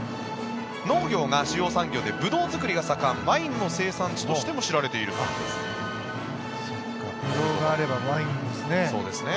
農業が主要産業でブドウ作りが盛んワインの生産地としても知られているそうです。